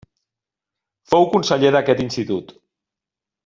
Fou conseller d'aquest institut.